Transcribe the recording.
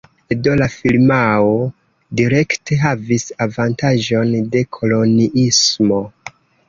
Do la firmao direkte havis avantaĝon de koloniismo.